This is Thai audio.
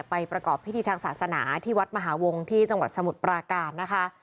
ประกอบพิธีทางศาสนาที่วัดมหาวงที่จังหวัดสมุทรปราการนะคะ